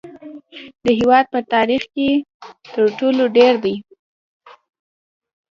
د هیواد په تاریخ کې تر ټولو ډیر دي